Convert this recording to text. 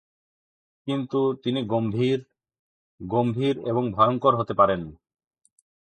কিন্তু, তিনি গম্ভীর, গম্ভীর এবং ভয়ংকর হতে পারেন।